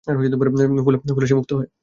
ফলে সে মুক্ত হয়।